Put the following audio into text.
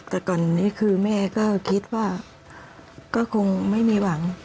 แต่ก่อนนี้คือแม่ก็คิดว่าก็คงไม่มีหวัง